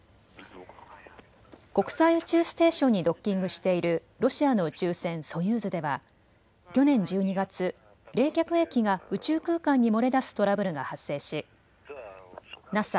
国際宇宙ステーションにドッキングしているロシアの宇宙船ソユーズでは去年１２月、冷却液が宇宙空間に漏れ出すトラブルが発生しＮＡＳＡ